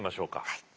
はい。